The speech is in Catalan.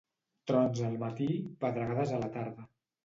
Trons al matí, pedregades a la tarda.